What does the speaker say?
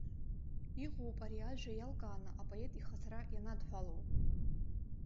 Иҟоуп ари ажәа иалкааны апоет ихаҭара ианадҳәалоу.